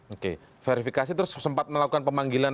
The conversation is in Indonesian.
oke verifikasi terus sempat melakukan pemanggilan